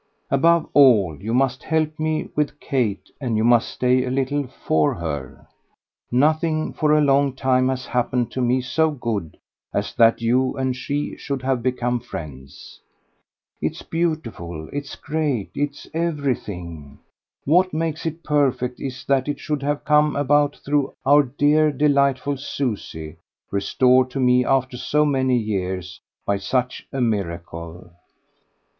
Above all you must help me with Kate, and you must stay a little FOR her; nothing for a long time has happened to me so good as that you and she should have become friends. It's beautiful; it's great; it's everything. What makes it perfect is that it should have come about through our dear delightful Susie, restored to me, after so many years, by such a miracle.